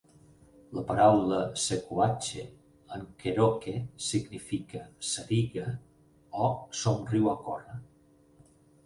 La paraula "sequachee" en cherokee significa "sariga" o "somriu o corre".